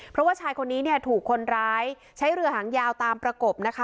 เพราะว่าชายคนนี้เนี่ยถูกคนร้ายใช้เรือหางยาวตามประกบนะคะ